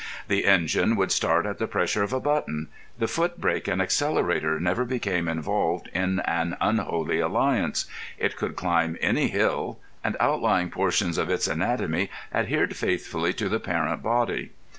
The engine would start at the pressure of a button; the foot brake and accelerator never became involved in an unholy alliance; it could climb any hill; and outlying portions of its anatomy adhered faithfully to the parent body.